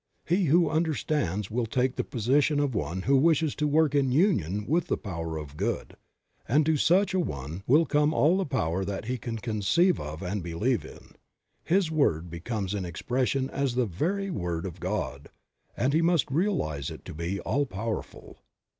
He who understands will take the position of one who wishes to work in union with the Power of Good; and to such an one will come all the power that he can conceive of and believe in ; his word becomes in expression as the very word of God, and he must realize it to be all powerful.